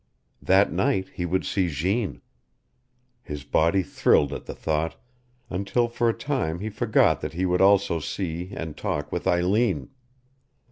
That night he would see Jeanne. His body thrilled at the thought, until for a time he forgot that he would also see and talk with Eileen.